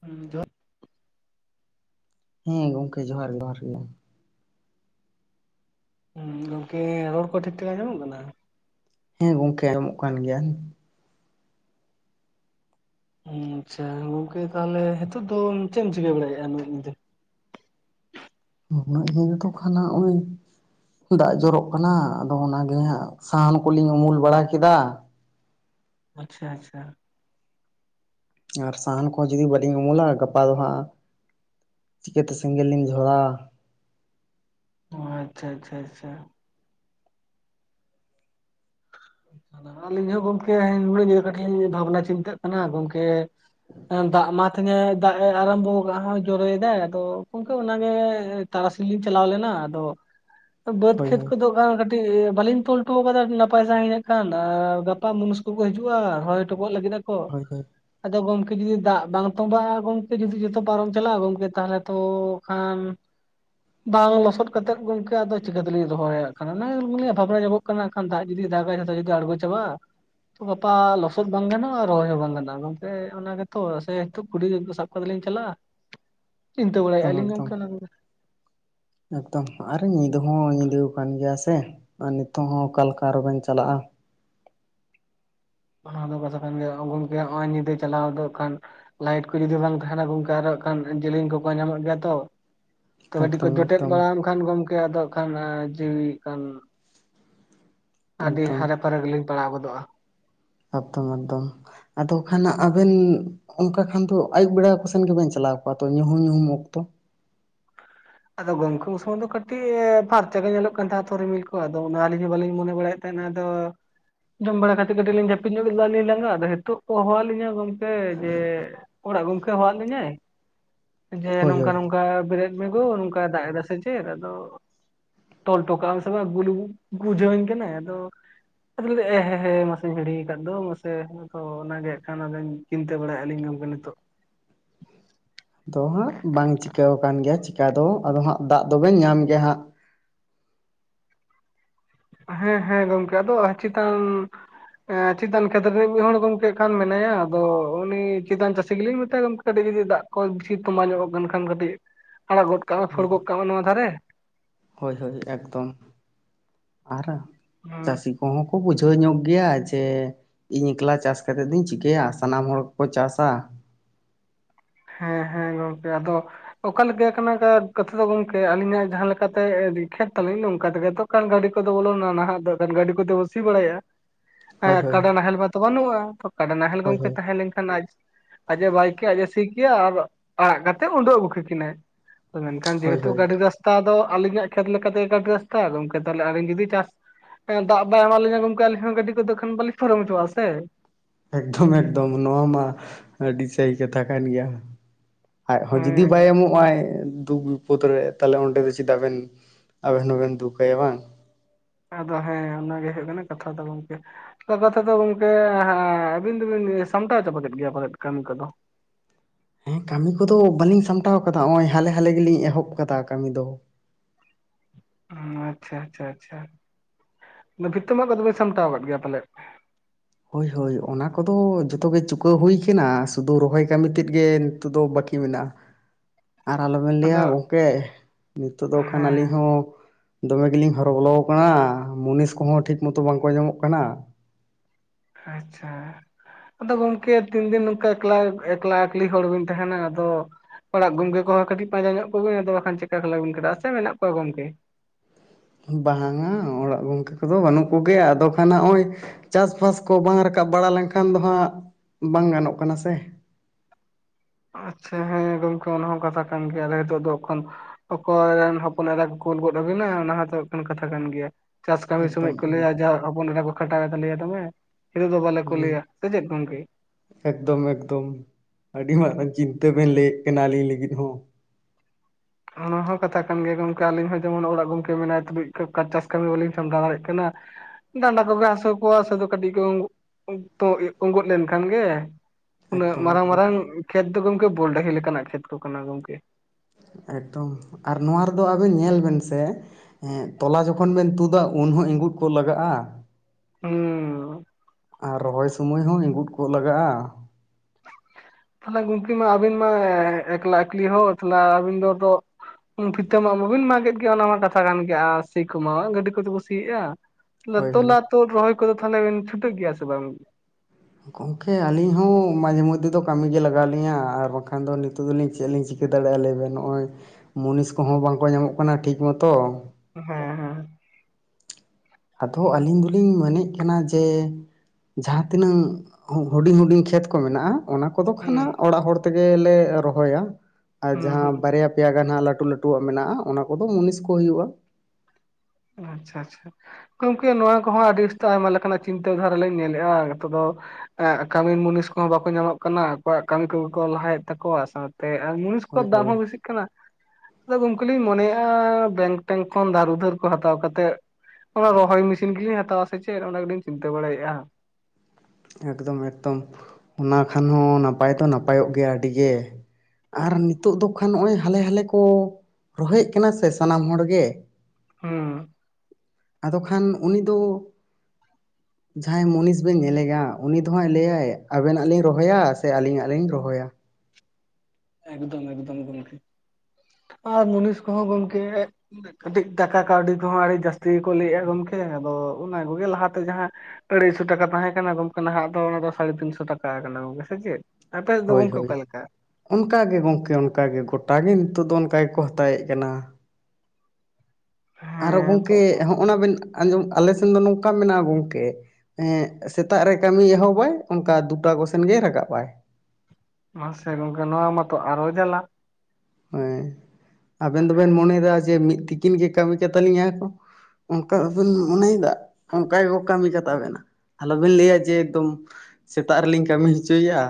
ᱦᱩᱸ ᱡᱚ ᱦᱮᱸ ᱜᱚᱝᱠᱮ ᱡᱚᱦᱟᱨ ᱡᱚᱦᱟᱨ ᱜᱮ᱾ ᱦᱮᱸ ᱜᱚᱝᱠᱮ ᱨᱚᱲ ᱠᱚ ᱴᱷᱤᱠ ᱴᱷᱟᱠ ᱧᱟᱢᱚᱜ ᱠᱟᱱᱟ? ᱦᱮᱸ ᱜᱚᱝᱠᱮ ᱟᱡᱚᱢᱚᱜ ᱠᱟᱱ ᱜᱮᱭᱟ᱾ ᱟᱪᱪᱷᱟ ᱜᱚᱝᱠᱮ ᱛᱟᱦᱚᱞᱮ ᱱᱤᱛᱚᱜ ᱫᱚ ᱪᱮᱫ ᱮᱢ ᱪᱤᱠᱟᱹ ᱵᱟᱲᱟᱭᱮᱫᱼᱟ ᱱᱩᱭ ᱧᱤᱫᱟᱹ? ᱩᱱᱟᱹᱜ ᱤᱭᱟᱹ [unintelligible] ᱳᱭ ᱫᱟᱜ ᱡᱚᱨᱚᱜ ᱠᱟᱱᱟ ᱟᱫᱚ ᱚᱱᱟ ᱜᱮ ᱦᱟᱸᱜ ᱥᱟᱦᱟᱱ ᱠᱚᱞᱤᱧ ᱩᱢᱩᱞ ᱵᱟᱲᱟ ᱠᱮᱫᱟ᱾ ᱟᱪᱪᱷᱟ ᱟᱪᱪᱷᱟ ᱟᱨ ᱥᱟᱦᱟᱱ ᱠᱚᱦᱚᱸ ᱡᱩᱫᱤ ᱵᱟᱹᱞᱤᱧ ᱩᱢᱩᱞᱟ ᱜᱟᱯᱟ ᱫᱚ ᱦᱟᱸᱜ? ᱪᱤᱠᱟᱹᱛᱮ ᱥᱮᱸᱜᱮ ᱞᱤᱧ ᱫᱷᱚᱨᱟᱣᱟ ᱚ ᱟᱪᱪᱷᱟ ᱟᱪᱪᱷᱟ ᱟᱪᱪᱷᱟ᱾ ᱟᱹᱞᱤᱧ ᱦᱚᱸ ᱜᱚᱝᱠᱮ ᱧᱤᱫᱟᱹ ᱠᱟᱴᱤᱡ ᱞᱤᱧ ᱵᱷᱟᱵᱱᱟ ᱪᱤᱱᱛᱟᱹᱜ ᱠᱟᱱᱟ ᱜᱚᱝᱠᱮ ᱫᱟᱜ ᱢᱟ ᱛᱮᱦᱤᱧ ᱫᱟᱜ ᱮ ᱟᱨᱟᱢᱵᱷᱚ ᱠᱟᱜ ᱦᱚᱸ ᱡᱚᱨᱚᱭᱫᱟᱭ ᱟᱫᱚ ᱜᱚᱢᱠᱮ ᱚᱱᱟᱜᱮ ᱛᱟᱨᱟᱥᱤᱧ ᱞᱤᱧ ᱪᱟᱞᱟᱣ ᱞᱮᱱᱟ ᱟᱫᱚ ᱵᱟᱹᱫᱽ ᱦᱳᱭ ᱠᱷᱮᱛ ᱦᱳᱭ ᱠᱚᱫᱚ ᱠᱟᱹᱴᱤᱡ ᱵᱟᱞᱤᱧ ᱛᱚᱞ ᱦᱚᱴᱚ ᱠᱟᱫᱟ ᱱᱟᱯᱟᱭ ᱥᱟᱺᱦᱤᱡ ᱠᱷᱟᱱ ᱜᱟᱯᱟ ᱢᱩᱱᱩᱥ ᱠᱚᱠᱚ ᱦᱤᱡᱩᱜᱼᱟ ᱨᱚᱦᱚᱭ ᱴᱚᱜ ᱞᱟᱹᱜᱤᱫ ᱟᱠᱚ᱾ ᱦᱳᱭ [unintelligible] ᱟᱫᱚ ᱜᱚᱢᱠᱮ ᱡᱩᱫᱤ ᱫᱟᱜ ᱵᱟᱝ ᱛᱚᱸᱵᱟᱜᱼᱟ ᱜᱚᱢᱠᱮ ᱡᱩᱫᱤ ᱡᱚᱛᱚ ᱯᱟᱨᱚᱢ ᱪᱟᱞᱟᱜᱼᱟ ᱜᱚᱢᱠᱮ ᱛᱟᱦᱚᱞᱮ ᱛᱚ, ᱠᱷᱟᱱ ᱵᱟᱝ ᱞᱚᱥᱚᱫ ᱠᱟᱛᱮᱫ ᱜᱚᱝᱠᱮ ᱟᱫᱚ ᱪᱤᱠᱟᱹ ᱛᱮᱞᱤᱧ ᱨᱚᱦᱚᱭᱟ ᱠᱟᱱᱟ ᱵᱷᱟᱵᱽᱱᱟ ᱧᱟᱢᱚᱜ ᱠᱟᱱᱟ ᱫᱟᱜ ᱡᱩᱫᱤ ᱫᱟᱜ ᱡᱚᱛᱚ ᱡᱩᱫᱤ ᱟᱲᱜᱳ ᱪᱟᱵᱟᱜ ᱟ᱾ ᱛᱚ ᱜᱟᱯᱟ ᱞᱚᱥᱚᱫ ᱵᱟᱝ ᱜᱟᱱᱚᱜᱼᱟ ᱟᱨ ᱨᱚᱦᱚᱭ ᱦᱚᱸ ᱵᱟᱝ ᱜᱟᱱᱚᱜ ᱜᱚᱝᱛᱮ ᱚᱱᱟ ᱜᱮᱛᱚ ᱥᱮᱛᱩ ᱠᱩᱰᱤ ᱥᱟᱵ ᱠᱟᱛᱮ ᱞᱤᱧ ᱪᱟᱞᱟᱜᱼᱟ ᱪᱤᱱᱛᱟᱹ ᱵᱟᱲᱟᱭᱟ ᱮᱠᱫᱚᱢ ᱟᱹᱞᱤᱧ ᱮᱠᱫᱚᱢ ᱜᱚᱢᱠᱮ ᱚᱱᱟ ᱠᱚᱜᱮ ᱮᱠᱫᱚᱢ ᱟᱨ ᱧᱤᱫᱟᱹ ᱦᱚᱸ ᱧᱤᱫᱟᱹ ᱟᱠᱟᱱ ᱜᱮᱭᱟ ᱥᱮ ᱟᱨ ᱱᱤᱛᱚᱜ ᱦᱚᱸ ᱚᱠᱟ ᱞᱮᱠᱟ ᱨᱮᱵᱮᱱ ᱪᱟᱞᱟᱜᱼᱟ᱾ ᱚᱱᱟ ᱫᱚ ᱠᱟᱛᱷᱟ ᱠᱟᱱ ᱜᱮᱭᱟ ᱜᱚᱢᱠᱮ ᱱᱚᱜᱼᱚᱭ ᱧᱤᱫᱟᱹ ᱪᱟᱞᱟᱣ ᱫᱚᱜ ᱠᱷᱟᱱ ᱞᱟᱭᱤᱴ ᱠᱚ ᱡᱩᱫᱤ ᱵᱟᱝ ᱛᱟᱦᱮᱱᱟ ᱜᱚᱝᱠᱮ ᱟᱨᱚ ᱦᱟᱜ ᱠᱷᱟᱱ ᱡᱮᱞᱮᱧ ᱠᱚᱠᱚ ᱧᱟᱢᱚᱜ ᱜᱮᱭᱟ ᱛᱚ᱾ ᱛᱚ ᱠᱟᱴᱤᱡ ᱠᱚ ᱮᱠᱫᱚᱢ ᱡᱚᱴᱮᱫ ᱮᱠᱫᱚᱢ ᱵᱟᱲᱟᱢ ᱠᱷᱟᱱ ᱜᱚᱢᱠᱮ ᱟᱫᱚ ᱠᱷᱟᱱ ᱡᱤᱣᱤ ᱠᱷᱟᱱ ᱟᱹᱰᱤ ᱮᱠᱫᱚᱢ ᱦᱟᱨᱮ ᱯᱷᱟᱨᱮ ᱜᱮᱞᱤᱧ ᱯᱟᱲᱟᱣ ᱜᱚᱫᱚᱜᱼᱟ᱾ ᱮᱠᱫᱚᱢ ᱮᱠᱫᱚᱢ ᱟᱫᱚ ᱠᱷᱟᱱ ᱟᱵᱮᱱ ᱚᱱᱠᱟ ᱠᱷᱟᱱ ᱫᱚ ᱟᱹᱭᱩᱵ ᱵᱮᱲᱟ ᱠᱚ ᱥᱮᱱ ᱜᱮ ᱵᱤᱱ ᱪᱟᱞᱟᱣ ᱠᱚᱜ ᱟ ᱛᱚ ᱧᱩᱦᱩᱢᱼᱧᱩᱦᱩᱢ ᱚᱠᱛᱚ᱾ ᱟᱫᱚ ᱜᱚᱝᱠᱮ ᱩᱱᱥᱩᱢᱟᱹᱭ ᱫᱚ ᱠᱟᱹᱴᱤᱡ ᱯᱷᱟᱨᱪᱟ ᱜᱮ ᱧᱮᱞᱚᱜ ᱠᱟᱱ ᱛᱟᱦᱮᱸᱱᱟᱛᱚ ᱨᱤᱢᱤᱞ ᱠᱚ ᱟᱫᱚ ᱟᱹᱞᱤᱧ ᱦᱚᱸ ᱵᱟᱞᱤᱧ ᱢᱚᱱᱮ ᱵᱟᱲᱟᱭᱮᱫ ᱛᱟᱦᱮᱸ ᱟᱫᱚ ᱡᱚᱢ ᱵᱟᱲᱟ ᱠᱟᱛᱮᱫ ᱠᱟᱹᱴᱤ ᱞᱤᱧ ᱡᱟᱹᱯᱤᱫ ᱧᱚᱜ ᱞᱮᱫᱟᱤᱧ ᱞᱟᱸᱜᱟ ᱟᱫᱚ ᱱᱤᱛᱚᱜ ᱦᱚᱣᱟᱞᱤᱧᱟ ᱜᱚᱢᱠᱮ ᱡᱮ ᱚᱲᱟᱜ ᱜᱚᱝᱠᱮ ᱦᱚᱣᱟᱜ ᱞᱤᱧᱟᱹᱭ ᱡᱮ ᱦᱳᱭ ᱱᱚᱝᱠᱟ ᱦᱳᱭ ᱱᱚᱝᱠᱟ ᱵᱮᱨ ᱜᱚ ᱱᱚᱝᱠᱟᱭ ᱫᱟᱜ ᱫᱟᱭ ᱥᱮ ᱪᱮᱫ? ᱛᱚᱞ ᱦᱚᱴᱚᱠᱟᱜ ᱥᱮ ᱵᱟᱝ ᱟᱹᱜ ᱵᱩᱡᱷᱟᱹᱣᱟᱹᱧ ᱠᱟᱱᱟ ᱟᱫᱚ, ᱟᱫᱚ ᱞᱟᱹᱭᱮᱜ ᱟ ᱦᱮ ᱦᱮᱸ ᱢᱟᱥᱮᱧ ᱡᱤᱲᱤᱧ ᱟᱠᱟᱫ ᱫᱚ ᱢᱟᱥᱮ ᱚᱱᱟ ᱜᱮ ᱦᱟᱸᱜ ᱠᱷᱟᱱ ᱪᱤᱱᱛᱟᱹ ᱵᱟᱲᱟᱭᱮᱫ ᱞᱤᱧ ᱜᱚᱢᱠᱮ ᱱᱤᱛᱚᱜ ᱟᱫᱚ ᱦᱟᱸᱜ ᱵᱟᱝ ᱪᱤᱠᱟᱹᱣ ᱟᱠᱟᱱ ᱜᱮᱭᱟ ᱪᱤᱠᱟᱹ ᱫᱚ ᱟᱫᱚ ᱦᱟᱸᱜ ᱫᱟᱜ ᱫᱚᱵᱮᱱ ᱧᱟᱢ ᱜᱮᱭᱟ ᱦᱟᱸᱜ ᱦᱮᱸ ᱦᱮᱸ ᱜᱚᱝᱠᱮ ᱟᱫᱚ ᱪᱮᱛᱟᱱ ᱪᱮᱛᱟᱱ ᱠᱷᱮᱛ ᱨᱤᱱᱤᱡ ᱢᱤᱫ ᱦᱚᱲ ᱜᱚᱢᱠᱮ ᱠᱷᱟᱱ ᱢᱮᱱᱟᱭᱟ ᱟᱫᱚ ᱩᱱᱤ ᱪᱮᱛᱟᱱ ᱪᱟᱹᱥᱤ ᱜᱮᱞᱤᱧ ᱢᱮᱛᱟᱭ ᱜᱚᱢᱠᱮ ᱠᱟᱹᱴᱤᱡ ᱡᱩᱫᱤ ᱫᱟᱜ ᱠᱚ ᱵᱤᱥᱤ ᱛᱚᱢᱵᱟ ᱧᱚᱜ ᱠᱟᱱ ᱠᱷᱟᱱ ᱠᱟᱹᱴᱤᱡ ᱟᱲᱟᱜ ᱜᱚᱫ ᱠᱟᱜ ᱢᱮ ᱯᱷᱩᱲ ᱦᱳᱭ ᱜᱚᱜ ᱦᱳᱭ ᱠᱟᱜ ᱢᱮ ᱱᱚᱣᱟ ᱫᱷᱟᱨᱮ ᱦᱳᱭ ᱦᱳᱭ ᱮᱠᱫᱚᱢ ᱟᱨ ᱦᱩᱸ ᱪᱟᱹᱥᱤ ᱠᱚᱦᱚᱸ ᱠᱚ ᱵᱩᱡᱷᱟᱹᱣ ᱧᱚᱜᱽ ᱜᱮᱭᱟ ᱡᱮ ᱤᱧ ᱮᱠᱞᱟ ᱪᱟᱥ ᱠᱟᱛᱮᱫ ᱫᱩᱧ ᱪᱤᱠᱟᱹᱭᱟ ᱥᱟᱱᱟᱢ ᱦᱚᱲ ᱜᱮ ᱠᱚ ᱪᱟᱥᱟ᱾ ᱦᱮᱸ ᱦᱮᱸ, ᱜᱚᱝᱠᱮ ᱟᱫᱚᱼᱼ ᱚᱠᱟᱞᱮᱠᱟ ᱠᱟᱱᱟ ᱠᱟᱛᱷᱟ ᱫᱚ ᱜᱚᱝᱠᱮ ᱟᱹᱞᱤᱧᱟᱜ ᱡᱟᱦᱟᱸ ᱞᱮᱠᱟ ᱞᱮᱠᱟᱛᱮ ᱠᱷᱮᱛ ᱛᱟᱹᱞᱤᱧ ᱚᱱᱠᱟ ᱛᱮᱜᱮ ᱛᱚᱼᱼ ᱟᱱ ᱜᱟᱹᱰᱤ ᱠᱚᱫᱚ ᱵᱚᱞᱮ ᱱᱟᱦᱟᱜ ᱫᱚ ᱦᱟᱜ ᱠᱷᱟᱱ ᱜᱟᱹᱰᱤ ᱠᱚᱛᱮ ᱥᱤ ᱵᱟᱲᱟᱭᱟ᱾ ᱦᱳᱭ ᱦᱮᱸ ᱦᱳᱭ ᱠᱟᱰᱟ ᱱᱟᱦᱮᱞ ᱢᱟᱛᱚ ᱵᱟᱹᱱᱩᱜᱼᱟ, ᱛᱚ ᱠᱟᱰᱟ ᱱᱟᱦᱮᱞ ᱦᱳᱭ ᱜᱚᱢᱠᱮ ᱦᱳᱭ ᱛᱟᱦᱮᱸ ᱞᱮᱱᱠᱷᱟᱱ ᱟᱡᱼᱼ ᱟᱡ ᱮ ᱵᱟᱭ ᱠᱮᱭᱟ ᱟᱡ ᱮ ᱥᱤ ᱠᱮᱭᱟ ᱟᱨ ᱟᱲᱟᱜ ᱠᱟ ᱠᱟᱛᱮᱫ ᱩᱰᱟᱹᱜ ᱟᱹᱜᱩ ᱠᱮ ᱠᱤᱱᱟᱭ᱾ ᱢᱮᱱᱠᱷᱟᱱ ᱦᱳᱭ ᱡᱮᱦᱮᱛᱩ ᱦᱳᱭ ᱜᱟᱹᱰᱤ ᱨᱟᱥᱛᱟ ᱫᱚ ᱟᱞᱤᱧᱟᱜ ᱠᱷᱮᱛ ᱞᱮᱠᱟ ᱛᱮᱜᱮ ᱜᱟᱹᱰᱤ ᱨᱟᱥᱛᱟ ᱜᱚᱝᱠᱮ ᱛᱟᱦᱚᱞᱮ ᱟᱹᱞᱤᱧ ᱡᱩᱫᱤ ᱪᱟᱥᱼᱼ ᱦᱮᱸ ᱫᱟᱜ ᱵᱟᱭ ᱮᱢᱟᱞᱤᱧᱟ ᱜᱚᱢᱠᱮ ᱟᱞᱤᱧ ᱦᱚᱸ ᱜᱟᱹᱰᱤ ᱠᱚᱫᱚ ᱮᱠᱷᱟᱱ ᱵᱟᱞᱤᱧ ᱯᱷᱨᱚᱢ ᱦᱚᱪᱚᱜᱼᱟ ᱥᱮ᱾ ᱮᱠᱫᱚᱢ ᱮᱠᱫᱚᱢ ᱱᱚᱣᱟ ᱢᱟ ᱟᱹᱰᱤ ᱥᱟᱹᱦᱤ ᱠᱟᱛᱷᱟ ᱠᱟᱱ ᱜᱮᱭᱟ᱾ ᱟᱡ ᱦᱚᱸ ᱡᱩᱫᱤ ᱦᱮᱸ ᱵᱟᱭ ᱮᱢᱚᱜᱼ ᱟᱭ ᱫᱩᱼᱼ ᱫᱩᱠ ᱨᱮ ᱛᱟᱦᱚᱞᱮ ᱚᱸᱰᱮ ᱫᱚ ᱪᱮᱫᱟᱜ ᱵᱮᱱ ᱟᱵᱮᱱ ᱦᱚᱸᱵᱮᱱ ᱫᱩᱠᱟᱭᱟ ᱵᱟᱝ᱾ ᱟᱫᱚ ᱦᱮᱸ ᱚᱱᱟ ᱜᱮ ᱦᱩᱭᱩᱜ ᱠᱟᱱᱟ ᱠᱟᱛᱷᱟ ᱫᱚ ᱜᱚᱝᱠᱮ᱾ ᱚᱱᱠᱟ ᱠᱟᱛᱷᱟ ᱫᱚ ᱜᱚᱝᱠᱮ ᱟᱹᱵᱤᱱ ᱫᱚᱵᱤᱱ ᱥᱟᱢᱴᱟᱣ ᱪᱟᱵᱟ ᱠᱮᱫ ᱜᱮᱭᱟ ᱯᱟᱞᱮᱫ ᱠᱟᱹᱢᱤ ᱠᱚᱫᱚ? ᱦᱮᱸ ᱠᱟᱹᱢᱤ ᱠᱚᱫᱚ ᱵᱟᱹᱞᱤᱧ ᱥᱟᱢᱴᱟᱣ ᱟᱠᱟᱫᱟ ᱱᱚᱜᱼᱚᱭ ᱦᱟᱞᱮ ᱦᱟᱞᱮ ᱜᱮᱞᱤᱧ ᱮᱦᱚᱵ ᱟᱠᱟᱫᱟ ᱠᱟᱹᱢᱤ ᱫᱚ। ᱟᱪᱪᱷᱟ ᱟᱪᱪᱷᱟ ᱟᱪᱪᱷᱟ ᱵᱷᱤᱛᱟᱹ ᱢᱟᱜ ᱠᱚᱫᱚ ᱵᱤᱱ ᱥᱟᱢᱴᱟᱣ ᱟᱠᱟᱫ ᱜᱮᱭᱟ ᱯᱟᱞᱮᱫ? ᱦᱳᱭ ᱦᱳᱭ, ᱚᱱᱟ ᱠᱚᱫᱚ ᱡᱚᱛᱚ ᱜᱮ ᱪᱩᱠᱟᱹᱣ ᱦᱩᱭ ᱠᱟᱱᱟ ᱥᱩᱫᱷᱩ ᱨᱚᱦᱚᱭ ᱠᱟᱹᱢᱤ ᱛᱮᱫ ᱜᱮ ᱱᱤᱛᱚᱜ ᱫᱚ ᱵᱟᱹᱠᱤ ᱢᱮᱱᱟᱜᱼᱟ ᱾ [inaudible] ᱟᱨ ᱟᱞᱚᱵᱮᱱ ᱞᱟᱹᱭᱟ ᱟᱫᱚ ᱜᱚᱢᱠᱮ ᱱᱤᱛᱚᱜ ᱫᱚ ᱠᱷᱟᱱ ᱦᱮᱸ ᱟᱹᱞᱤᱧ ᱦᱚᱸᱼᱼ ᱫᱚᱢᱮ ᱜᱮᱞᱤᱧ ᱦᱚᱨᱚ ᱵᱚᱞᱚ ᱟᱠᱟᱱᱟ, ᱢᱩᱱᱤᱥ ᱠᱚᱦᱚᱸ ᱴᱷᱤᱠ ᱢᱚᱛᱚ ᱵᱟᱝᱠᱚ ᱧᱟᱢᱚᱜ ᱠᱟᱱᱟ ᱾ ᱟᱪᱪᱷᱟ ᱾ ᱟᱫᱚ ᱜᱚᱝᱠᱮ ᱛᱤᱱ ᱫᱤᱱ ᱱᱚᱝᱠᱟ ᱮᱠᱞᱟ ᱮᱠᱞᱟ ᱮᱠᱞᱤ ᱦᱚᱲ ᱵᱮᱤᱱ ᱛᱟᱦᱮᱱᱟ, ᱟᱫᱚ? ᱚᱲᱟᱜ ᱜᱚᱢᱠᱮ ᱠᱚᱦᱚᱸ ᱠᱟᱹᱴᱤᱡ ᱯᱟᱸᱡᱟ ᱧᱚᱜ ᱠᱚᱵᱤᱱ ᱟᱫᱚ ᱵᱟᱠᱷᱟᱱ ᱪᱮᱠᱠᱟ ᱮᱠᱞᱟ ᱟᱹᱵᱤᱱ ᱠᱟᱱᱟ ᱥᱮ ᱢᱮᱱᱟᱜ ᱠᱚᱣᱟ ᱜᱚᱝᱠᱮ? ᱵᱟᱝᱟ ᱚᱲᱟᱜ ᱜᱚᱝᱠᱮ ᱠᱚᱫᱚ ᱵᱟᱹᱱᱩᱜ ᱠᱚᱜᱮᱭᱟ ᱟᱫᱚ ᱠᱷᱟᱱ ᱱᱚᱜᱼᱚᱭᱼᱼ ᱪᱟᱥᱼᱵᱟᱥ ᱠᱚ ᱵᱟᱝ ᱨᱟᱠᱟᱵ ᱵᱟᱲᱟ ᱞᱮᱱᱠᱷᱟᱱ ᱫᱚ ᱦᱟᱸᱜ ᱵᱟᱝ ᱜᱟᱱᱚᱜ ᱠᱟᱱᱟ ᱥᱮ ᱾ ᱟᱪᱪᱷᱟ, ᱦᱮᱸ ᱜᱚᱝᱠᱮ ᱚᱱᱟ ᱦᱚᱸ ᱠᱟᱛᱷᱟ ᱠᱟᱱ ᱜᱮᱭᱟᱞᱮ ᱱᱤᱛᱚᱜ ᱫᱚ ᱮᱠᱷᱚᱱᱼᱼ ᱚᱠᱚᱭ ᱨᱮᱱ ᱦᱚᱯᱚᱱ ᱮᱨᱟ ᱠᱚ ᱠᱩᱞ ᱜᱚᱫ ᱟᱹᱵᱤᱱᱟ ᱚᱱᱟ ᱦᱚᱸᱛᱚ ᱦᱟᱜᱠᱷᱟᱱ ᱠᱟᱛᱷᱟ ᱠᱟᱱ ᱜᱮᱭᱟ ᱾ ᱪᱟᱥ ᱠᱟᱹᱢᱤ ᱮᱠᱫᱚᱢ ᱥᱚᱢᱚᱭ ᱠᱚ ᱞᱟᱹᱭᱟ ᱡᱟ ᱦᱚᱯᱚᱱ ᱮᱨᱟ ᱠᱚ ᱠᱷᱟᱴᱟᱣᱮ ᱛᱟᱞᱮᱭᱟ ᱫᱚᱢᱮ ᱾ ᱦᱤᱛᱳᱜ ᱫᱚ ᱵᱟᱞᱮ ᱦᱳᱭ ᱠᱩᱞᱮᱭᱟ ᱥᱮ ᱪᱮᱫ ᱜᱚᱝᱠᱮ? ᱮᱠᱫᱚᱢ ᱮᱠᱫᱚᱢ, ᱟᱹᱰᱤ ᱢᱟᱨᱟᱝ ᱪᱤᱱᱛᱟᱹ ᱵᱮᱱ ᱞᱟᱹᱭᱮᱫ ᱠᱟᱱᱟ ᱟᱹᱞᱤᱧ ᱞᱟᱹᱜᱤᱫ ᱦᱚᱸ ᱾ ᱚᱱᱟ ᱦᱚᱸ ᱠᱟᱛᱷᱟ ᱠᱟᱱ ᱜᱮᱭᱟ ᱜᱚᱝᱠᱮ ᱟᱞᱤᱧ ᱦᱚᱸ ᱡᱮᱢᱚᱱ ᱚᱲᱟᱜ ᱜᱚᱝᱠᱮ ᱢᱮᱱᱟᱭᱟ ᱛᱩᱞᱩᱡ ᱪᱟᱥ ᱠᱟᱹᱢᱤ ᱵᱟᱹᱞᱤᱧ ᱥᱟᱢᱴᱟᱣ ᱫᱟᱲᱮᱭᱟᱜ ᱠᱟᱱᱟ ᱾ ᱰᱟᱸᱰᱟ ᱠᱚᱜᱮ ᱦᱟᱹᱥᱩ ᱠᱚᱣᱟ ᱥᱩᱫᱩ ᱠᱟᱹᱴᱤᱡ ᱠᱚ ᱳᱜᱳᱫ ᱳᱜᱳᱫ ᱞᱮᱱᱠᱷᱟᱱ ᱜᱮ ᱾ ᱩᱱᱟᱹᱜ ᱮᱠᱫᱚᱢ ᱢᱟᱨᱟᱝ ᱮᱠᱫᱚᱢ ᱢᱟᱨᱟᱝ ᱠᱷᱮᱛ ᱫᱚ ᱜᱚᱝᱠᱮ ᱵᱚᱞᱰᱟᱦᱤ ᱞᱮᱠᱟᱱᱟᱜ ᱠᱷᱮᱛ ᱠᱚ ᱠᱟᱱᱟ ᱜᱚᱝᱠᱮ ᱾ ᱮᱠᱫᱚᱢ, ᱟᱨ ᱱᱚᱣᱟ ᱨᱮᱫᱚ ᱟᱵᱮᱱ ᱧᱮᱞ ᱵᱮᱱ ᱥᱮ ᱾ ᱦᱮᱸ ᱛᱚᱞᱟ ᱡᱚᱠᱷᱚᱱ ᱵᱮᱱ ᱛᱩᱫᱟ ᱩᱱ ᱦᱚᱸ ᱤᱸᱜᱩᱫ ᱠᱚᱜ ᱞᱟᱜᱟᱜᱼᱟ ᱾ ᱦᱩᱸ᱾ ᱟᱨ ᱨᱚᱦᱚᱭ ᱥᱳᱢᱳᱭ ᱦᱚᱸ ᱤᱸᱜᱩᱫ ᱠᱚᱜ ᱞᱟᱜᱟᱜᱼᱟ ᱾ ᱛᱟᱦᱞᱮ ᱜᱚᱝᱠᱮ ᱢᱟ ᱟᱹᱵᱤᱱ ᱢᱟ ᱮᱠᱞᱟ ᱮᱠᱞᱤ ᱦᱚᱲ ᱛᱷᱟᱞᱮ ᱟᱵᱤᱱ ᱫᱚ ᱟᱫᱚᱼᱼ ᱵᱷᱤᱛᱟᱹ ᱢᱟᱜ ᱢᱟᱵᱤᱱ ᱢᱟᱜ ᱮᱫ ᱜᱮ ᱚᱱᱟ ᱢᱟ ᱠᱟᱛᱷᱟ ᱠᱟᱱ ᱜᱮᱭᱟ ᱟᱨ ᱥᱤ ᱠᱚᱢᱟ ᱜᱟᱹᱰᱤ ᱠᱚᱛᱮ ᱠᱚ ᱥᱤᱭᱮᱜᱼᱟ ᱾ ᱦᱳᱭ ᱦᱳᱭ ᱛᱚᱞᱟ ᱛᱳᱫ ᱨᱚᱦᱚᱭ ᱠᱚᱫᱚ ᱛᱟᱦᱚᱞᱮ ᱵᱤᱱ ᱪᱷᱩᱴᱟᱹᱜ ᱜᱮᱭᱟ ᱥᱮ ᱵᱟᱝ? ᱜᱚᱝᱠᱮ ᱟᱹᱞᱤᱧ ᱦᱚᱸ ᱢᱟᱡᱷᱮ ᱢᱚᱫᱽᱫᱷᱮ ᱫᱚ ᱠᱟᱹᱢᱤ ᱜᱮ ᱞᱟᱜᱟᱣ ᱞᱤᱧᱟᱹ ᱟᱨ ᱵᱟᱝᱠᱷᱟᱱ ᱫᱚ ᱱᱤᱛᱚᱜ ᱫᱚᱞᱤᱧ ᱪᱮᱫ ᱞᱤᱧ ᱪᱤᱼᱼ ᱠᱟᱹ ᱫᱟᱲᱮᱭᱟᱜᱼᱟ ᱞᱮᱵᱮᱱ ᱱᱚᱜᱼᱚᱭ ᱢᱩᱱᱤᱥ ᱠᱚᱦᱚᱸ ᱵᱟᱝᱠᱚ ᱧᱟᱢᱚᱜ ᱠᱟᱱᱟ ᱴᱷᱤᱠ ᱢᱚᱛᱚ ᱾ ᱦᱮᱸ ᱦᱮᱸ ᱾ ᱟᱫᱚ ᱟᱹᱞᱤᱧ ᱫᱚᱞᱤᱧ ᱢᱮᱱᱮᱫ ᱠᱟᱱᱟ ᱡᱮᱼᱼ ᱡᱟᱦᱟᱸ ᱛᱤᱱᱟᱹᱝ ᱦᱩᱰᱤᱧ ᱦᱩᱰᱤᱧ ᱠᱷᱮᱛ ᱠᱚ ᱢᱮᱱᱟᱜᱼᱟ, ᱚᱱᱟᱼᱼ ᱠᱚᱫᱚ ᱦᱩᱸ ᱠᱷᱚᱱᱟᱜ ᱚᱲᱟᱜ ᱦᱚᱲ ᱛᱮᱜᱮ ᱞᱮ ᱨᱚᱦᱚᱭᱟ ᱟᱨ ᱦᱩᱸ ᱡᱟᱦᱟᱸ ᱦᱩᱸ ᱵᱟᱨᱭᱟᱼᱼ ᱯᱮᱭᱟ ᱜᱟᱱ ᱦᱟᱜ ᱞᱟᱹᱴᱩ ᱞᱟᱹᱴᱩᱣᱟᱜ ᱢᱮᱱᱟᱜᱼᱟ, ᱚᱱᱟ ᱠᱚᱫᱚ ᱢᱩᱱᱤᱥ ᱠᱚ ᱦᱩᱭᱩᱜᱼᱟ ᱾ ᱟᱪᱪᱷᱟ ᱟᱪᱪᱷᱟ ᱾ ᱜᱚᱝᱠᱮ ᱱᱚᱣᱟ ᱠᱚᱦᱚᱸ ᱟᱹᱰᱤᱥᱛᱟ ᱟᱭᱢᱟ ᱞᱮᱠᱟᱱᱟᱜ ᱪᱤᱱᱛᱟᱹ ᱫᱷᱟᱨᱟ ᱞᱮᱧ ᱧᱮᱞᱮᱜᱼᱟ ᱱᱤᱛᱚᱜ ᱫᱚ ᱾ ᱮᱜ ᱠᱟᱹᱢᱤᱱ ᱢᱩᱱᱤᱥ ᱠᱚᱦᱚᱸ ᱵᱟᱠᱚ ᱧᱟᱢᱚᱜ ᱠᱟᱱᱟ‌, ᱟᱠᱚᱣᱟᱜ ᱠᱟᱹᱢᱤ ᱠᱚᱜᱮ ᱠᱚ ᱞᱟᱦᱟᱭᱮᱫ ᱛᱟᱠᱚᱣᱟ ᱥᱟᱶᱛᱮ ᱢᱩᱱᱤᱥᱼᱼ ᱠᱚ ᱦᱳᱭ ᱵᱟᱠᱚ ᱦᱳᱭ ᱵᱮᱥᱤᱜ ᱠᱟᱱᱟ ᱟᱫᱚ ᱜᱚᱝᱠᱮ ᱞᱤᱧ ᱢᱚᱱᱮᱭᱮᱜᱼᱟ ᱵᱮᱝᱠ ᱴᱮᱝᱠ ᱠᱷᱚᱱ ᱫᱷᱟᱨ ᱩᱫᱷᱟᱹᱨᱼᱼ ᱦᱟᱛᱟᱣ ᱠᱟᱛᱮᱫ ᱚᱱᱟ ᱨᱚᱦᱚᱭ ᱢᱮᱥᱤᱱ ᱜᱮᱞᱤᱧ ᱦᱟᱛᱟᱣᱟ ᱥᱮ ᱪᱮᱫ ᱚᱱᱟ ᱜᱮᱞᱤᱧ ᱪᱤᱱᱛᱟᱹ ᱵᱟᱲᱟᱭᱮᱫᱼᱟ ᱾ ᱮᱠᱫᱚᱢ ᱮᱠᱫᱚᱢ ᱚᱱᱟ ᱠᱷᱟᱱ ᱦᱚᱸ ᱱᱟᱯᱟᱭ ᱫᱚ ᱱᱟᱯᱟᱭᱚᱜ ᱜᱮᱭᱟ ᱟᱹᱰᱤ ᱜᱮ ᱾ ᱟᱨ ᱱᱤᱛᱚᱜ ᱫᱚ ᱠᱷᱟᱱ ᱱᱚᱜᱼᱚᱭ ᱦᱟᱞᱮ ᱦᱟᱞᱮ ᱠᱚ ᱨᱚᱦᱮᱫ ᱠᱟᱱᱟ ᱥᱮ ᱥᱟᱱᱟᱢ ᱦᱚᱲ ᱜᱮ ᱾ ᱦᱩᱸ, ᱟᱫᱚ ᱠᱷᱟᱱ ᱩᱱᱤ ᱫᱚ ᱡᱟᱦᱟᱸᱭ ᱢᱩᱱᱤᱥ ᱵᱮ ᱧᱮᱞᱮᱭᱟ ᱩᱱᱤ ᱫᱚ ᱦᱟᱸᱜᱭ ᱞᱟᱹᱭᱟᱭ ᱟᱵᱮᱱᱟᱜ ᱞᱤᱧ ᱨᱚᱦᱚᱭᱟ ᱥᱮ ᱟᱹᱞᱤᱧᱟᱜ ᱞᱤᱧ ᱨᱚᱦᱚᱭᱟ ᱾ ᱮᱠᱫᱚᱢ ᱮᱠᱫᱚᱢ ᱜᱚᱢᱠᱮ, ᱟᱨ ᱢᱩᱱᱤᱥ ᱠᱚᱦᱚᱸ ᱜᱚᱢᱠᱮ ᱠᱟᱹᱴᱤᱡ ᱴᱟᱠᱟ ᱠᱟᱹᱣᱰᱤ ᱠᱚᱦᱚᱸ ᱟᱹᱰᱤ ᱡᱟᱹᱥᱛᱤ ᱜᱮᱠᱚ ᱞᱟᱹᱭᱮᱫᱼᱟ ᱜᱚᱢᱠᱮ ᱟᱫᱚ ᱚᱱᱟ ᱠᱚᱜᱮ ᱞᱟᱦᱟᱛᱮ ᱡᱟᱦᱟᱸ ᱟᱹᱲᱟᱹᱭᱥᱚ ᱴᱟᱠᱟ ᱛᱟᱦᱮᱸ ᱠᱟᱱᱟ ᱜᱚᱢᱠᱮ ᱱᱟᱦᱟᱜ ᱫᱚ ᱚᱱᱟ ᱫᱚ ᱥᱟᱲᱮ ᱛᱤᱱ ᱥᱚ ᱴᱟᱠᱟ ᱟᱠᱟᱱᱟ ᱜᱚᱝᱠᱮ ᱥᱮ ᱪᱮᱫ? ᱟᱯᱮ ᱫᱚ ᱦᱳᱭ ᱜᱚᱢᱠᱮ ᱦᱳᱭ ᱚᱠᱟ ᱞᱮᱠᱟ ᱚᱱᱠᱟᱜᱮ ᱜᱚᱢᱠᱮ ᱚᱱᱠᱟᱜᱮ ᱜᱚᱴᱟ ᱜᱮ ᱱᱤᱛᱚᱜ ᱫᱚ ᱚᱱᱠᱟ ᱜᱮᱠᱚ ᱦᱟᱛᱟᱣᱮᱫ ᱠᱟᱱᱟ ᱾ ᱟᱨᱚ ᱦᱮᱸ ᱛᱚ ᱜᱚᱢᱠᱮ ᱦᱚᱸᱜᱼᱚ ᱱᱟ ᱵᱮᱱ ᱟᱸᱡᱚᱢ ᱟᱞᱮ ᱥᱮᱱ ᱫᱚ ᱱᱚᱝᱠᱟ ᱢᱮᱱᱟᱜᱼᱟ ᱜᱚᱢᱠᱮ, ᱥᱮᱛᱟᱜ ᱨᱮ ᱠᱟᱹᱢᱤ ᱮᱦᱚᱵᱟᱭ ᱚᱱᱠᱟ ᱫᱩᱴᱟ ᱠᱚᱥᱮᱱ ᱜᱮᱭ ᱨᱟᱠᱟᱵᱟᱭ ᱾ ᱢᱟᱥᱮ ᱜᱚᱝᱠᱮ ᱱᱚᱣᱟ ᱢᱟᱛᱚ ᱟᱨᱚ ᱡᱟᱞᱟ ᱾ ᱦᱮᱸ ᱟᱵᱮᱱ ᱫᱚᱵᱮᱱ ᱢᱚᱱᱮᱭᱮᱫᱟ ᱡᱮ ᱢᱤᱫ ᱛᱤᱠᱤᱱ ᱜᱮ ᱠᱟᱹᱢᱤ ᱠᱟᱛᱟᱞᱤᱧᱟ ᱮᱦᱚᱵ-ᱟ ᱚᱱᱠᱟ ᱵᱮᱱ ᱢᱚᱱᱮᱭ ᱫᱟ ᱚᱱᱠᱟ ᱜᱮᱠᱚ ᱠᱟᱹᱢᱤ ᱠᱟᱛᱟ ᱵᱮᱱᱟ᱾ ᱟᱞᱚᱵᱤᱱ ᱞᱟᱹᱭᱟ ᱡᱮ ᱮᱠᱫᱚᱢᱼᱼ ᱥᱮᱛᱟᱜ ᱨᱮᱞᱤᱞ ᱠᱟᱹᱢᱤ ᱦᱚᱪᱚᱭᱟ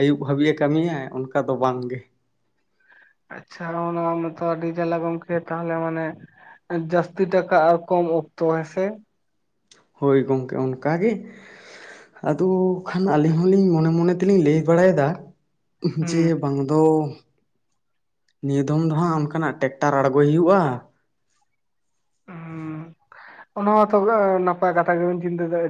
ᱟᱹᱭᱩᱵ ᱦᱟᱹᱵᱤᱡᱼᱮ ᱠᱟᱹᱢᱤᱭᱟ ᱚᱱᱠᱟ ᱫᱚ ᱵᱟᱝᱜᱮ ᱾ ᱟᱪᱪᱷᱟ ᱚᱱᱟ ᱢᱟᱛᱚ ᱟᱰᱤ ᱡᱟᱞᱟ ᱜᱚᱝᱠᱮ ᱛᱚ, ᱛᱟᱦᱚᱞᱮ ᱢᱟᱱᱮ ᱡᱟᱹᱥᱛᱤ ᱴᱟᱠᱟ ᱟᱨ ᱠᱚᱢ ᱚᱠᱛᱚ ᱦᱮᱥᱮ᱾ ᱦᱳᱭ ᱜᱚᱢᱠᱮ ᱚᱱᱠᱟ ᱜᱮ ᱾ ᱟᱫᱚ ᱠᱷᱟᱱ ᱟᱹᱞᱤᱧ ᱦᱚᱞᱤᱧ ᱢᱚᱱᱮ ᱢᱚᱱᱮ ᱛᱮᱞᱤᱧ ᱞᱟᱹᱭ ᱵᱟᱲᱟᱭᱮᱫᱟ ᱾ ᱡᱮ ᱦᱩᱸ ᱵᱟᱝ ᱫᱚᱼᱼ ᱱᱤᱭᱟᱹ ᱫᱚᱢ ᱫᱚ ᱦᱟᱸᱜ ᱚᱱᱠᱟᱱᱟᱜ ᱴᱮᱠᱴᱟᱨ ᱟᱬᱜᱚᱭ ᱦᱩᱭᱩᱜᱼᱟ᱾ ᱦᱩᱸ ᱚᱱᱟ ᱢᱟᱛᱚ ᱱᱟᱯᱟᱭ ᱠᱟᱛᱷᱟ ᱜᱮᱵᱮᱱ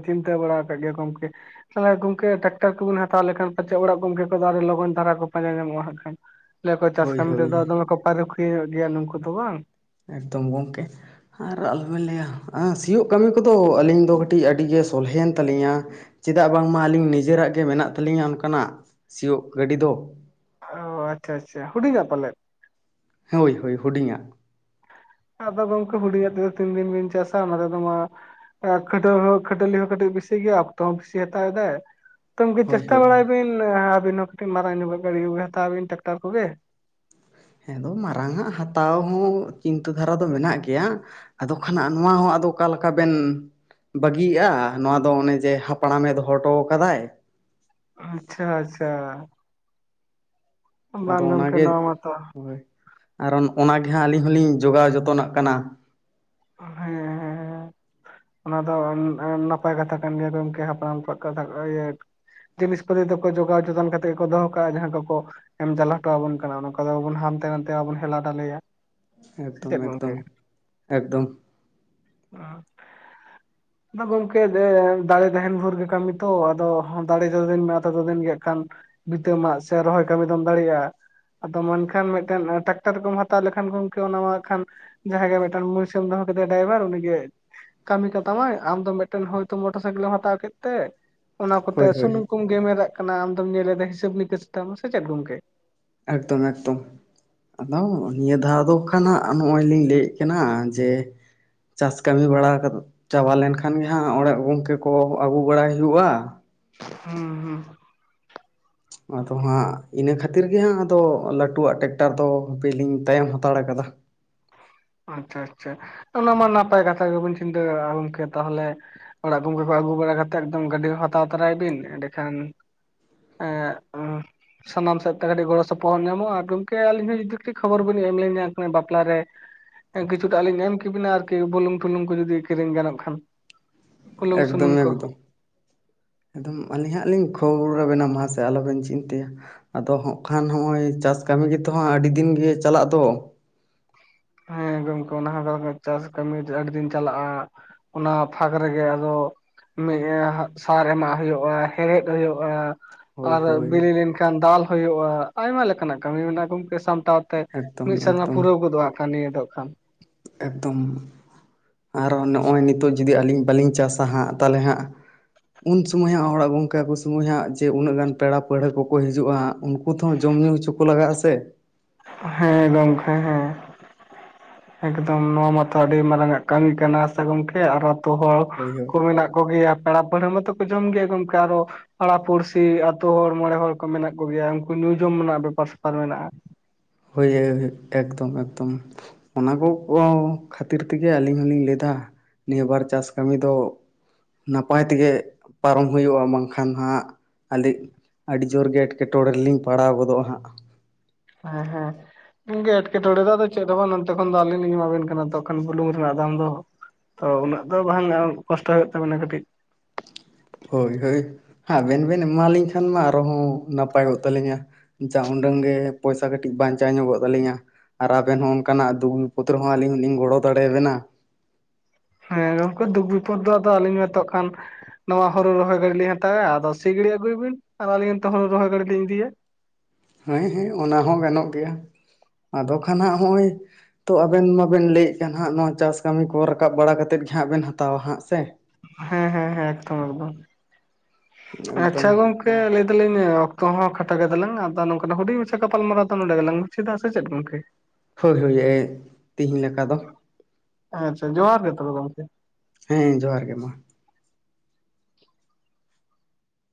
ᱪᱤᱱᱛᱟᱹ ᱵᱟᱲᱟ ᱟᱠᱟᱫ ᱜᱮᱭᱟ ᱜᱚᱝᱠᱮ ᱾ ᱛᱟᱦᱚᱞᱮ ᱜᱚᱝᱠᱮ ᱴᱨᱟᱠᱴᱟᱨ ᱠᱚᱵᱤᱱ ᱦᱟᱛᱟᱣ ᱞᱮᱠᱷᱟᱱ ᱯᱟᱪᱮᱫ ᱚᱲᱟᱜ ᱜᱚᱢᱠᱮ ᱠᱚ ᱟᱰᱤ ᱞᱚᱜᱚᱱ ᱫᱷᱟᱨᱟ ᱠᱚ ᱯᱟᱸᱡᱟ ᱧᱟᱢᱚᱜᱼᱟ ᱦᱟᱜ ᱠᱷᱟᱱ ᱾ ᱞᱟᱹᱭ ᱟᱠᱚ ᱪᱟᱥ ᱦᱳᱭ ᱠᱟᱹᱢᱤ ᱦᱳᱭ ᱨᱮᱫᱚ ᱫᱚᱢᱮ ᱠᱚ ᱯᱟᱨᱩᱠᱷᱤᱭᱟᱹᱧᱚ ᱜᱮᱭᱟ ᱱᱩᱠᱩ ᱫᱚ ᱵᱟᱝ? ᱮᱠᱫᱚᱢ ᱜᱚᱢᱠᱮ᱾ ᱟᱨ ᱟᱞᱚᱵᱮᱱ ᱞᱟᱹᱭᱟ ᱥᱤᱭᱳᱜ ᱠᱟᱹᱢᱤ ᱠᱚᱫᱚ ᱟᱹᱞᱤᱧ ᱫᱚ ᱠᱟᱹᱴᱤᱡ ᱟᱹᱰᱤᱜᱮ ᱥᱚᱞᱦᱮᱭᱮᱱ ᱛᱟᱹᱟᱞᱤᱧᱟ ᱾ ᱪᱮᱫᱟᱜ ᱵᱟᱝᱢᱟ ᱟᱹᱞᱤᱧ ᱱᱤᱡᱮᱨᱟᱜ ᱜᱮ ᱢᱮᱱᱟᱜ ᱛᱟᱹᱟᱞᱤᱧᱟ ᱚᱱᱠᱟᱱᱟᱜ ᱥᱤᱭᱳᱜ ᱜᱟᱹᱰᱤ ᱫᱚ᱾ ᱚ ᱟᱪᱪᱷᱟ ᱟᱪᱪᱷᱟ, ᱦᱩᱰᱤᱧᱟ ᱯᱟᱞᱮ? ᱦᱳᱭ ᱦᱳᱭ ᱦᱩᱰᱤᱧᱟᱜ ᱾ ᱟᱫᱚ ᱜᱚᱝᱠᱮ ᱦᱩᱰᱤᱧ ᱛᱮᱫᱚ ᱛᱤᱱ ᱫᱤᱱ ᱵᱮᱱ ᱪᱟᱥᱟ ᱚᱱᱟ ᱛᱮᱫᱚ ᱢᱟᱼᱼ ᱠᱷᱟᱹᱴᱟᱹ ᱦᱚᱸ ᱠᱷᱟᱹᱴᱟᱹᱞᱤ ᱦᱚᱸ ᱠᱟᱹᱴᱤᱡ ᱵᱮᱥᱤ ᱜᱮᱭᱟ ᱚᱠᱛᱚ ᱦᱚᱸ ᱵᱤᱥᱤ ᱦᱟᱛᱟᱣ ᱫᱟᱭ ᱾ ᱛᱚ ᱜᱚᱢᱠᱮ ᱦᱳᱭ ᱪᱮᱥᱴᱟ ᱦᱳᱭ ᱵᱟᱲᱟᱭ ᱵᱤᱱ ᱟᱹᱵᱤᱱ ᱦᱚᱸ ᱠᱟᱹᱴᱤᱡ ᱢᱟᱨᱟᱝ ᱧᱚᱜ ᱜᱟᱹᱰᱤ ᱠᱚᱜ ᱦᱟᱛᱟᱣ ᱵᱤᱱ ᱴᱟᱠᱴᱟᱨ ᱠᱚᱜᱮ ᱾ ᱦᱮᱸ ᱟᱫᱚ ᱢᱟᱨᱟᱝ ᱟᱜ ᱦᱟᱛᱟᱣ ᱦᱚᱸ ᱪᱤᱱᱛᱟᱹ ᱫᱷᱟᱨᱟ ᱫᱚ ᱢᱮᱱᱟᱜ ᱜᱮᱭᱟ ᱾ ᱟᱫᱚ ᱠᱷᱟᱱᱟᱜ ᱱᱚᱣᱟ ᱦᱚᱸ ᱟᱫᱚ ᱚᱠᱟ ᱞᱮᱠᱟ ᱵᱮᱱ ᱵᱟᱹᱜᱤᱜᱼᱟ, ᱱᱚᱣᱟ ᱫᱚ ᱚᱱᱮ ᱡᱮ ᱦᱟᱯᱲᱟᱢᱮ ᱫᱚᱦᱚ ᱦᱚᱴᱚ ᱟᱠᱟᱫᱟᱭ ᱾ ᱟᱪᱪᱷᱟ ᱟᱪᱪᱷᱟ ᱟᱫᱚ ᱵᱟᱝ ᱜᱚᱝᱠᱮ ᱱᱚᱣᱟ ᱢᱟᱛᱚ ᱨᱟ ᱚᱱᱟ ᱜᱮ ᱦᱟᱸᱜ ᱟᱹᱞᱤᱧ ᱦᱚᱞᱤᱧ ᱡᱚᱜᱟᱣ ᱡᱚᱛᱚᱱ ᱱᱟᱜ ᱠᱟᱱᱟ ᱾ [unintelligible] ᱚᱱᱟ ᱫᱚ ᱱᱟᱯᱟᱭ ᱠᱟᱛᱷᱟ ᱠᱟᱱ ᱜᱮᱭᱟ ᱜᱚᱝᱠᱮ ᱦᱟᱯᱲᱟᱢ ᱠᱚᱣᱟᱜ ᱠᱟᱛᱷᱟ ᱤᱭᱟᱹ ᱡᱤᱱᱤᱥᱯᱟᱹᱛᱤ ᱫᱚᱠᱚ ᱡᱚᱜᱟᱣ ᱡᱚᱛᱚᱱ ᱠᱟᱛᱮ ᱜᱮᱠᱚ ᱫᱚᱦᱚ ᱠᱟᱜᱼᱟ ᱡᱟᱦᱟᱸ ᱠᱚᱠᱚᱼᱼ ᱮᱢ ᱪᱟᱞ ᱦᱚᱴᱚ ᱟᱵᱚᱱ ᱠᱟᱱᱟ ᱱᱚᱠᱟ ᱫᱚ ᱦᱟᱱᱛᱮ ᱱᱟᱛᱮ ᱵᱟᱵᱚᱱ ᱦᱮᱞᱟ ᱰᱟᱞᱮᱭᱟ᱾ ᱥᱮ ᱮᱠᱫᱚᱢ ᱪᱮᱫ ᱜᱚᱝᱠᱮ ᱮᱠᱫᱚᱢ ᱮᱠᱫᱚᱢ᱾ [unintelligible] ᱟᱫᱚ ᱜᱚᱝᱠᱮ ᱫᱟᱲᱮ ᱛᱟᱦᱮᱱ ᱵᱷᱳᱨ ᱜᱮ ᱠᱟᱹᱢᱤ ᱫᱚ ᱟᱫᱚ ᱫᱟᱲᱮ ᱡᱚᱫᱤᱱ ᱛᱚᱛᱚ ᱫᱤᱱ ᱜᱮ ᱠᱷᱟᱱ, ᱵᱤᱛᱟᱢᱟᱜ ᱥᱮ ᱨᱚᱦᱚᱭ ᱠᱟᱹᱢᱤ ᱫᱚᱢ ᱫᱟᱲᱮᱭᱟᱜᱼᱟ᱾ ᱟᱫᱚ ᱢᱮᱱᱠᱷᱟᱱ ᱢᱤᱫᱴᱮᱱ ᱴᱨᱟᱠᱴᱟᱨ ᱠᱚᱢ ᱦᱟᱛᱟᱣ ᱞᱮᱠᱷᱟᱱ ᱜᱚᱝᱠᱮ ᱚᱱᱟ ᱢᱟ ᱠᱷᱟᱱ ᱡᱟᱦᱟᱸ ᱜᱮ ᱢᱤᱫᱴᱟᱝ ᱢᱚᱱᱤᱥ ᱮᱢ ᱫᱚᱦᱚ ᱠᱟᱫᱟᱭ ᱰᱟᱭᱵᱷᱟᱨ ᱩᱱᱤᱜᱮ ᱠᱟᱹᱢᱤ ᱠᱟᱛᱟᱢᱟᱭ ᱟᱢ ᱫᱚ ᱢᱮᱫᱴᱮᱱ ᱦᱚᱭᱛᱳ ᱢᱚᱴᱚᱨ ᱥᱟᱭᱠᱮᱞᱮᱢ ᱦᱟᱛᱟᱣ ᱠᱮᱫ ᱛᱮ ᱚᱱᱟ ᱠᱚᱛᱮ ᱦᱳᱭ ᱦᱳᱭ ᱥᱩᱱᱩᱢ ᱠᱚᱢ ᱜᱮᱢᱮᱨᱟᱜ ᱠᱟᱱᱟ ᱟᱢᱫᱚᱢ ᱧᱮᱞᱮᱫᱟ ᱦᱤᱥᱟᱹᱵᱽ ᱱᱤᱠᱟᱹᱥ ᱛᱟᱢ ᱥᱮ ᱪᱮᱫ ᱜᱚᱝᱠᱮ? ᱮᱠᱫᱚᱢ ᱮᱠᱫᱚᱢ ᱟᱫᱚ ᱱᱤᱭᱟᱹ ᱫᱷᱟᱣ ᱫᱚ ᱠᱷᱟᱱᱟᱜ ᱱᱚᱜ-ᱚᱭ ᱞᱤᱧ ᱞᱟᱹᱭᱮᱫ ᱠᱟᱱᱟ ᱡᱮ ᱪᱟᱥ ᱠᱟᱹᱢᱤ ᱵᱟᱲᱟ ᱪᱟᱵᱟ ᱞᱮᱱ ᱠᱷᱟᱱ ᱜᱮ ᱦᱟᱸᱜ ᱚᱲᱟᱜ ᱜᱚᱝᱠᱮ ᱠᱚ ᱟᱹᱜᱩ ᱵᱟᱲᱟᱭ ᱦᱩᱭᱩᱜ-ᱟ᱾ ᱦᱮᱸ ᱦᱮᱸ ᱟᱫᱚ ᱦᱟᱸᱜ, ᱤᱱᱟᱹ ᱠᱷᱟᱹᱛᱤᱨ ᱜᱮ ᱦᱟᱸᱜ, ᱟᱫᱚ ᱞᱟᱹᱴᱩᱣᱟᱜ ᱴᱮᱠᱴᱟᱨ ᱫᱚ ᱦᱟᱯᱮ ᱞᱤᱧ, ᱛᱟᱭᱚᱢ ᱦᱟᱛᱟᱲ ᱟᱠᱟᱫᱟ ᱾ ᱟᱪᱪᱷᱟ ᱟᱪᱪᱷᱟ ᱚᱱᱟ ᱢᱟ ᱱᱟᱯᱟᱭ ᱠᱟᱛᱷᱟ ᱜᱮᱵᱚᱱ ᱪᱤᱱᱛᱟᱹ ᱠᱟᱜ-ᱟ ᱜᱚᱝᱠᱮ ᱛᱟᱦᱚᱞᱮ ᱚᱲᱟᱜ ᱜᱚᱝᱠᱮ ᱠᱚ ᱟᱹᱜᱩ ᱵᱟᱲᱟ ᱠᱟᱛᱮᱫ ᱮᱠᱫᱚᱢ ᱜᱟᱹᱰᱤ ᱦᱚᱸ ᱦᱟᱛᱟᱣ ᱛᱚᱨᱟᱭ ᱵᱤᱱ ᱮᱸᱰᱮᱠᱷᱟᱱ ᱮᱸ ᱥᱟᱱᱟᱢ ᱥᱮᱫ ᱛᱮ ᱠᱟᱴᱤᱹᱪ ᱜᱚᱲᱚ ᱥᱚᱯᱚᱦᱚᱛ ᱧᱟᱢᱚᱜ-ᱟ ᱜᱚᱝᱠᱮ ᱟᱹᱞᱤᱧ ᱦᱚᱸ ᱡᱩᱫᱤ ᱠᱟᱹᱴᱤᱡ ᱠᱷᱚᱵᱚᱨ ᱵᱤᱱ ᱮᱢ ᱞᱤᱧᱟ ᱵᱟᱯᱞᱟᱨᱮ ᱦᱮᱸ ᱠᱤᱪᱷᱩᱴᱟᱜ ᱞᱤᱧ ᱮᱢ ᱠᱤᱵᱤᱱᱟ ᱟᱨᱠᱤ ᱵᱩᱞᱩᱝ ᱯᱷᱩᱞᱩᱝ ᱠᱚ ᱡᱩᱫᱤ ᱠᱤᱨᱤᱧ ᱜᱟᱱᱚᱜ ᱠᱷᱟᱱ᱾ ᱵᱩᱞᱩᱝ ᱮᱠᱫᱚᱢ ᱥᱩᱱᱩᱢ ᱠᱚ ᱮᱠᱫᱚᱢ ᱮᱠᱫᱚᱢ ᱟᱹᱞᱤᱧ ᱦᱟᱸᱜ ᱞᱤᱧ ᱠᱷᱳᱵᱳᱨᱟ ᱵᱮᱱᱟ ᱢᱟᱥᱮ ᱟᱞᱚᱵᱮᱱ ᱪᱤᱱᱛᱟᱹᱭᱟ ᱟᱫᱚ ᱦᱚᱸᱜ ᱠᱷᱟᱱ ᱦᱚᱸᱜ-ᱚᱭ ᱪᱟᱥ ᱠᱟᱹᱢᱤ ᱜᱮᱛᱚᱦᱟᱸᱜ ᱟᱹᱰᱤ ᱫᱤᱱ ᱜᱮ ᱪᱟᱞᱟᱜ ᱫᱚ ᱦᱮᱸ ᱜᱚᱝᱠᱮ ᱚᱱᱟᱦᱚ ᱪᱟᱥ ᱠᱟᱹᱢᱤ ᱫᱚ ᱟᱹᱰᱤ ᱫᱤᱱ ᱪᱟᱞᱟᱜ-ᱟ ᱚᱱᱟ ᱯᱷᱟᱠ ᱨᱮᱜᱮ ᱟᱫᱚ ᱥᱟᱨ ᱮᱢᱟᱜ ᱦᱩᱭᱩᱜ-ᱟ, ᱦᱮᱲᱦᱮᱫ ᱦᱩᱭᱩᱜ-ᱟ, ᱦᱳᱭ ᱟᱨ ᱦᱳᱭ ᱵᱤᱞᱤ ᱞᱮᱱᱠᱷᱟᱱ ᱫᱟᱞ ᱦᱩᱭᱩᱜ-ᱟ ᱟᱭᱢᱟ ᱞᱮᱠᱟᱱᱟᱜ ᱠᱟᱹᱢᱤ ᱢᱮᱱᱟᱜ-ᱟ ᱜᱚᱝᱠᱮ ᱥᱟᱢᱴᱟᱣ ᱛᱮ ᱮᱠᱫᱚᱢ ᱢᱤᱫ ᱥᱮᱨᱢᱟ ᱮᱠᱫᱚᱢ ᱯᱩᱨᱟᱹᱣ ᱜᱚᱫᱚᱜ-ᱟ ᱟᱜᱠᱷᱟᱱ ᱱᱤᱭᱟᱹ ᱫᱚ ᱠᱷᱟᱱ ᱮᱠᱫᱚᱢ ᱟᱨ ᱱᱚᱜ-ᱚᱭ ᱱᱤᱛᱚᱜ ᱡᱩᱫᱤ ᱟᱹᱞᱤᱧ ᱵᱟᱹᱞᱤᱧ ᱪᱟᱥᱟ ᱦᱟᱸᱜ ᱛᱟᱦᱞᱮ ᱦᱟᱸᱜ ᱩᱱ ᱥᱩᱢᱚᱭ ᱦᱟᱜ ᱦᱚᱲᱟᱜ ᱜᱚᱝᱠᱮ ᱥᱩᱢᱩᱭ ᱦᱟᱸᱜ ᱡᱮ ᱩᱱᱟᱹᱜ ᱜᱟᱱ ᱯᱮᱲᱟ ᱯᱟᱹᱲᱦᱟᱹ ᱠᱚᱠᱚ ᱦᱤᱡᱩᱜ-ᱟ ᱩᱱ ᱠᱩ ᱛᱚᱦᱚᱸ ᱡᱚᱢ ᱧᱩ ᱦᱚᱪᱚ ᱞᱟᱜᱟᱜ-ᱟ ᱥᱮ ᱦᱮᱸ ᱜᱚᱝᱠᱮ ᱦᱮᱸ ᱮᱠᱫᱚᱢ ᱱᱚᱣᱟ ᱢᱟᱛᱚ ᱟᱹᱰᱤ ᱢᱟᱨᱟᱝ ᱟᱜ ᱠᱟᱹᱢᱤ ᱠᱟᱱᱟ ᱥᱮ ᱜᱚᱝᱠᱮ ᱟᱨ ᱟᱛᱳ ᱦᱚᱲ ᱦᱳᱭ ᱦᱳᱭ ᱠᱚ ᱢᱮᱱᱟᱜ ᱠᱚ ᱜᱮᱭᱟ ᱯᱮᱲᱟ ᱯᱟᱹᱲᱦᱟᱹ ᱢᱟᱛᱚ ᱠᱚ ᱡᱚᱢ ᱜᱮᱭᱟ ᱜᱚᱝᱠᱮ ᱟᱨᱚ ᱯᱟᱲᱟ ᱯᱩᱲᱥᱤ ᱟᱛᱳ ᱦᱚᱲ ᱢᱚᱬᱮ ᱦᱚᱲ ᱠᱚ ᱢᱮᱱᱟᱜ ᱠᱚ ᱜᱮᱭᱟ ᱩᱱᱠᱩ ᱧᱩ ᱡᱚᱢ ᱨᱮᱱᱟᱜ ᱵᱮᱯᱟᱨ ᱥᱮᱯᱟᱨ ᱢᱮᱱᱟᱜ-ᱟ᱾ ᱦᱳᱭ ᱦᱳᱭ ᱮᱠᱫᱚᱢ ᱮᱠᱫᱚᱢ ᱚᱱᱟ ᱠᱚ ᱠᱚᱦᱚᱸ ᱠᱷᱟᱹᱛᱤᱨ ᱛᱮᱜᱮ ᱟᱹᱞᱤᱧ ᱦᱚᱞᱤᱧ ᱞᱟᱹᱭ ᱫᱟ ᱱᱤᱭᱟᱹ ᱵᱟᱨ ᱪᱟᱥ ᱠᱟᱹᱢᱤ ᱫᱚ ᱱᱟᱯᱟᱭ ᱛᱮᱜᱮ ᱯᱟᱨᱚᱢ ᱦᱩᱭᱩᱜ-ᱟ ᱵᱟᱝᱠᱷᱟᱱ ᱦᱟᱸᱜ ᱟᱞᱤᱡ ᱟᱹᱰᱤ ᱡᱳᱨ ᱜᱮ ᱮᱴᱠᱮᱴᱚᱬᱮ ᱨᱮᱞᱤᱧ ᱯᱟᱲᱟᱣ ᱜᱚᱫᱚᱜ-ᱟ ᱦᱟᱸᱜ ᱦᱮᱸ ᱦᱮᱸ ᱮᱴᱠᱮᱴᱚᱬᱮ ᱫᱚ ᱟᱫᱚ ᱪᱮᱫ ᱦᱚᱸ ᱵᱟᱝ ᱱᱚᱸᱛᱮ ᱠᱷᱚᱱ ᱫᱚ ᱟᱹᱞᱤᱧ ᱞᱤᱧ ᱮᱢᱟᱵᱮᱱ ᱠᱟᱱᱟ ᱛᱚᱠᱷᱚᱱ ᱵᱩᱞᱩᱝ ᱨᱮᱱᱟᱜ ᱫᱟᱢ ᱫᱚ ᱛᱚ ᱩᱱᱟᱹᱜ ᱫᱚ ᱵᱟᱝ ᱠᱚᱥᱴᱚ ᱦᱩᱭᱩᱜ ᱛᱟᱵᱮᱱᱟ ᱠᱟᱹᱴᱤᱡ ᱦᱳᱭ ᱦᱳᱭ ᱟᱵᱮᱱ ᱵᱮᱱ ᱮᱢᱟᱞᱤᱧ ᱠᱷᱟᱱ ᱢᱟ ᱟᱨ ᱦᱚᱸ ᱱᱟᱯᱟᱭᱚᱜ ᱛᱟᱹᱞᱤᱧᱟ᱾ ᱡᱟ ᱩᱸᱰᱟᱹᱝ ᱜᱮ ᱯᱚᱭᱥᱟ ᱠᱟᱹᱴᱤᱡ ᱵᱟᱧᱪᱟᱣ ᱧᱚᱜᱚᱜ ᱛᱟᱹᱞᱤᱧᱟ᱾ ᱟᱨ ᱟᱵᱮᱱ ᱦᱚᱸ ᱚᱱᱠᱟᱱᱟᱜ ᱫᱩᱠᱵᱤᱯᱚᱫ ᱨᱮᱦᱚᱸ ᱟᱹᱞᱤᱧ ᱦᱚᱸ ᱞᱤᱧ ᱜᱚᱲᱚ ᱫᱟᱲᱮᱭᱟᱵᱮᱱᱟ᱾ ᱦᱮᱸ ᱜᱚᱝᱠᱮ ᱫᱩᱠ ᱵᱤᱯᱚᱫ ᱫᱚ ᱟᱫᱚ ᱟᱹᱞᱤᱧ ᱛᱚ ᱠᱷᱟᱱ ᱱᱚᱣᱟ ᱦᱩᱨᱩ ᱨᱚᱦᱚᱭ ᱜᱟᱹᱰᱤ ᱞᱤᱧ ᱦᱟᱛᱟᱭᱟ ᱟᱫᱚ ᱥᱤ ᱜᱤᱲᱤ ᱟᱹᱜᱩᱭ ᱵᱤᱱ ᱟᱨ ᱟᱹᱞᱤᱧ ᱚᱱᱛᱮ ᱦᱩᱨᱩ ᱨᱚᱦᱚᱭ ᱜᱟᱹᱰᱤ ᱞᱤᱧ ᱤᱫᱤᱭᱟ᱾ ᱦᱮᱸ ᱦᱮᱸ ᱚᱱᱟ ᱦᱚᱸ ᱜᱟᱱᱚᱜ ᱜᱮᱭᱟ ᱟᱫᱚ ᱠᱷᱟᱱ ᱦᱟᱸᱜ ᱦᱚᱜ-ᱚᱭ ᱛᱚ ᱟᱵᱮᱱ ᱢᱟᱵᱮᱱ ᱞᱟᱹᱭᱮᱫ ᱠᱟᱱ ᱦᱟᱸᱜ ᱱᱚᱣᱟ ᱪᱟᱥ ᱠᱟᱢᱤ ᱠᱚ ᱨᱟᱠᱟᱵ ᱵᱟᱲᱟ ᱠᱟᱛᱮᱫ ᱜᱮ ᱦᱟᱸᱜ ᱵᱮᱱ ᱦᱟᱛᱟᱣᱟ ᱦᱟᱸᱜ ᱥᱮ ᱦᱮᱸ ᱦᱮᱸ ᱦᱮᱸ ᱮᱠᱫᱚᱢ ᱮᱠᱫᱚᱢ ᱮᱠᱫᱚᱢ ᱟᱪᱪᱷᱟ ᱜᱚᱝ ᱠᱮ ᱞᱟᱹᱭ ᱫᱟᱞᱤᱧ ᱚᱠᱛᱚ ᱦᱚᱸ ᱠᱷᱟᱴᱚ ᱜᱮᱛᱟᱞᱟᱝ-ᱟ ᱟᱫᱚ ᱱᱚᱝᱠᱟᱱ ᱦᱩᱰᱤᱧ ᱢᱟᱪᱷᱟ ᱜᱟᱯᱟᱞ ᱢᱟᱨᱟᱣ ᱫᱚ ᱱᱚᱸᱰᱮ ᱜᱮᱞᱟᱝ ᱢᱩᱪᱟᱹᱫᱟ ᱥᱮ ᱪᱮᱫ ᱜᱚᱝᱠᱮ? ᱦᱳᱭ ᱦᱳᱭ ᱮ ᱛᱤᱦᱤᱧ ᱞᱮᱠᱟ ᱫᱚ᱾ ᱟᱪᱪᱷᱟ ᱡᱚᱦᱟᱨ ᱜᱮ ᱛᱚᱵᱮ ᱜᱚᱝᱠᱮ ᱦᱮᱸ ᱡᱚᱦᱟᱨ ᱜᱮ ᱢᱟ